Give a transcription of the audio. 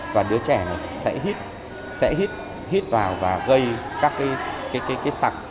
và đứa trẻ sẽ hít vào và gây các sạc